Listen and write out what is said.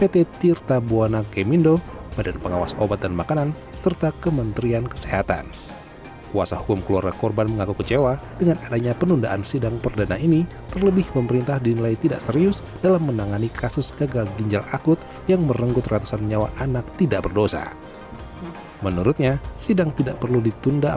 terlebih tidak adanya perhatian khusus dari pemerintah terhadap nasib beratusan nyawa anak mereka yang melayang